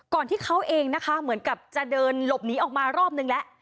ที่เขาเองนะคะเหมือนกับจะเดินหลบหนีออกมารอบนึงแล้ว